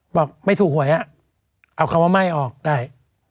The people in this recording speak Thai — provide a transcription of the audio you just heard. บอกไม่ถูกหวยเอาคำว่าไหม้ออกได้